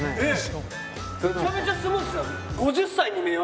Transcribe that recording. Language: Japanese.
めちゃめちゃスムーズじゃ。